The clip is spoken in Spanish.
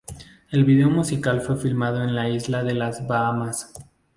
El video musical fue filmado en la isla de las Bahamas.